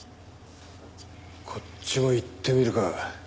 こっちも行ってみるか。